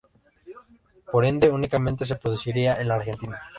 Por ende, únicamente se produciría en la Argentina.